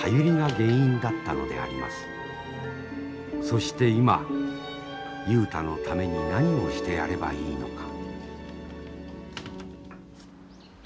そして今雄太のために何をしてやればいいのか。